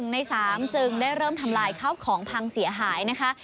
ใน๓จึงได้เริ่มทำลายข้าวของพังเสียหายนะคะ